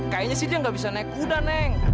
kayaknya sih dia nggak bisa naik kuda neng